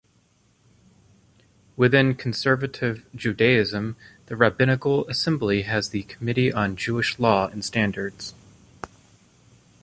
Within Conservative Judaism, the Rabbinical Assembly has the Committee on Jewish Law and Standards.